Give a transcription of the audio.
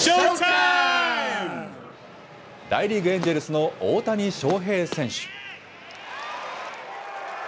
大リーグ・エンジェルスの大谷翔平選手。